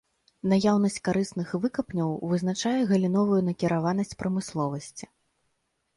Наяўнасць карысных выкапняў вызначае галіновую накіраванасць прамысловасці.